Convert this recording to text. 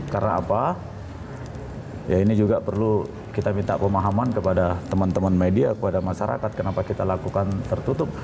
karena apa ya ini juga perlu kita minta pemahaman kepada teman teman media kepada masyarakat kenapa kita lakukan tertutup